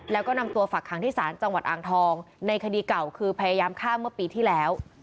แล้วก็นำตัวฝักขังที่ศาลจังหวัดอ่างทองในคดีเก่าคือพยายามฆ่าเมื่อปีที่แล้ว